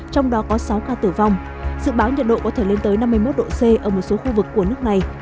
trong đó có sáu ca tử vong dự báo nhiệt độ có thể lên tới năm mươi một độ c ở một số khu vực của nước này